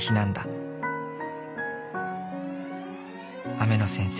「雨野先生